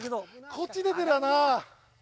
こっち出てりゃな。